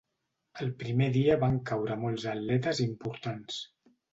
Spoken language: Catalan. El primer dia van caure molts atletes importants.